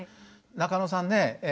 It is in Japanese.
中野さんね